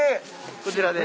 こちらで。